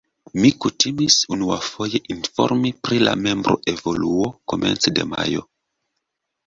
Mi kutimis unuafoje informi pri la membroevoluo komence de majo.